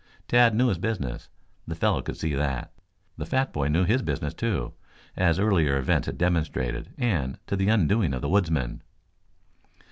Tad knew his business. The fellow could see that. The fat boy knew his business, too, as earlier events had demonstrated, and to the undoing of the woodsman.